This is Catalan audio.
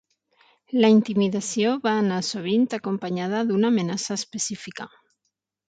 La intimidació va anar sovint acompanyada d'una amenaça específica.